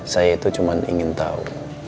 saya itu cuma ingin tahu